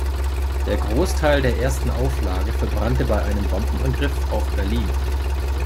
Der Großteil der ersten Auflage verbrannte bei einem Bombenangriff auf Berlin.